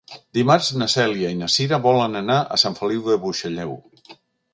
Dimarts na Cèlia i na Cira volen anar a Sant Feliu de Buixalleu.